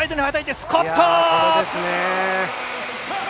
スコット！